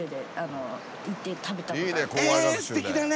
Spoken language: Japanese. えぇすてきだね。